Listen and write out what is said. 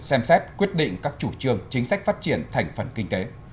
xem xét quyết định các chủ trương chính sách phát triển thành phần kinh tế